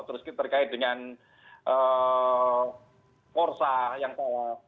terus terkait dengan kursa yang salah